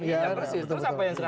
ya betul terus apa yang sekarang